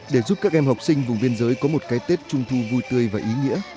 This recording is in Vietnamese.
để giúp các em học sinh vùng biên giới có một cái tết trung thu vui tươi và ý nghĩa